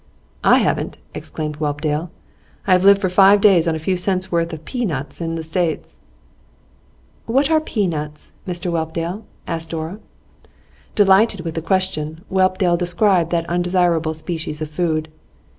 'I haven't,' exclaimed Whelpdale. 'I have lived for five days on a few cents' worth of pea nuts in the States.' 'What are pea nuts, Mr Whelpdale?' asked Dora. Delighted with the question, Whelpdale described that undesirable species of food.